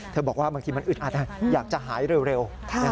บอกว่าบางทีมันอึดอัดอยากจะหายเร็ว